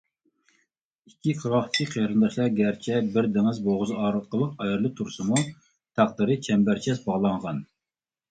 ئىككى قىرغاقتىكى قېرىنداشلار گەرچە بىر دېڭىز بوغۇزى ئارقىلىق ئايرىلىپ تۇرسىمۇ، تەقدىرى چەمبەرچاس باغلانغان.